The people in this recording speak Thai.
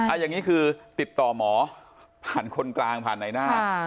อย่างนี้คือติดต่อหมอผ่านคนกลางผ่านในหน้า